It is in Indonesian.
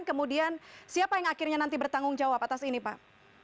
kemudian siapa yang akhirnya nanti bertanggung jawab atas ini pak